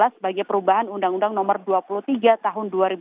sebagai perubahan undang undang nomor dua puluh tiga tahun dua ribu dua